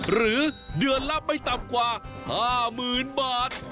หรือเดือนละไม่ต่ำกว่า๕๐๐๐๐บาท